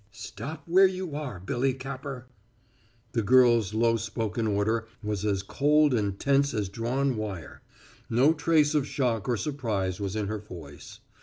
"Stop where you are, Billy Capper!" The girl's low spoken order was as cold and tense as drawn wire. No trace of shock or surprise was in her voice.